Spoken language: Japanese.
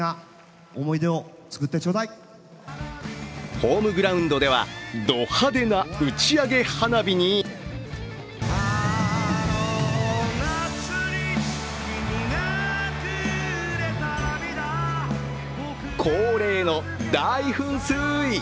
ホームグラウンドではド派手な打ち上げ花火に恒例の大噴水。